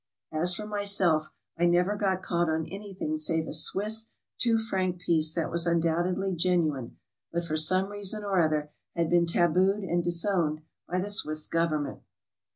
As for myself, I never got caught on anything save a Swiss two franc piece that was undoubtedly genuine, but for some reason or other had been tabooed and disowned by the Swiss government.